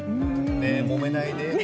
もめないで。